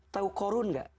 tahu korun tidak